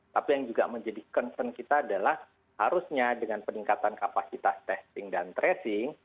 tapi yang juga menjadi concern kita adalah harusnya dengan peningkatan kapasitas testing dan tracing